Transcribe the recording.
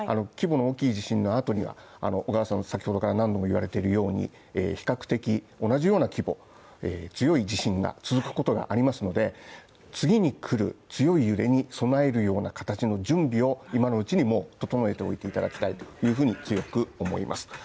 規模の大きい地震の後には小川さん先ほどから何度も言われているように比較的同じような規模が強い地震が続くことがありますので、次にくる強い揺れに備えるような形の準備を今のうちにもう整えておいていただきたいというふうに強く思います。